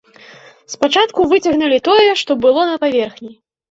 Спачатку выцягнулі тое, што было на паверхні.